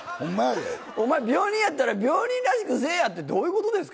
お前、病人やったら、病人らしくせえやってどういうことですか。